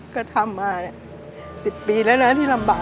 ก็ทำมา๑๐ปีแล้วนะที่ลำบาก